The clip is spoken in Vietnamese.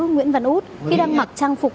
nguyễn văn út khi đang mặc trang phục